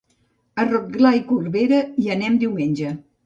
A Rotglà i Corberà hi anem diumenge.